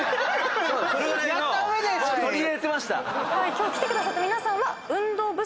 今日来てくださった皆さんは運動不足？